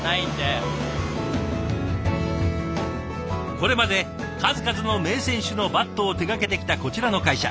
これまで数々の名選手のバットを手がけてきたこちらの会社。